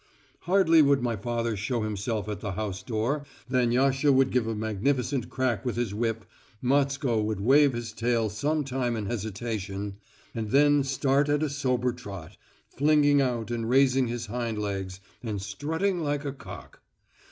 Hardly would my father show himself at the house door than Yasha would give a magnificent crack with his whip, Matsko would wave his tail some time in hesitation and then start at a sober trot, flinging out and raising his hind legs, and strutting like a cock.